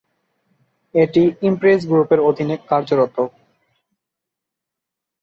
এটি ইমপ্রেস গ্রুপের অধীনে কার্যরত।